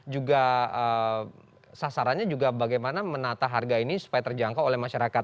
juga sasarannya juga bagaimana menata harga ini supaya terjangkau oleh masyarakat